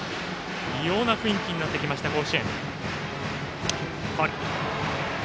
異様な雰囲気になってきた甲子園。